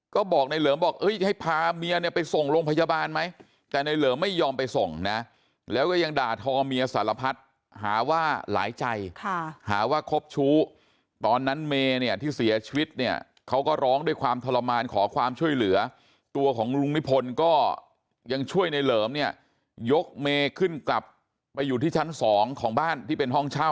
ก็บอกในเหลิมบอกให้พาเมียเนี่ยไปส่งโรงพยาบาลไหมแต่ในเหลิมไม่ยอมไปส่งนะแล้วก็ยังด่าทอเมียสารพัดหาว่าหลายใจหาว่าคบชู้ตอนนั้นเมย์เนี่ยที่เสียชีวิตเนี่ยเขาก็ร้องด้วยความทรมานขอความช่วยเหลือตัวของลุงนิพนธ์ก็ยังช่วยในเหลิมเนี่ยยกเมขึ้นกลับไปอยู่ที่ชั้นสองของบ้านที่เป็นห้องเช่า